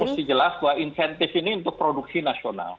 pertama mesti jelas bahwa insentif ini untuk produksi nasional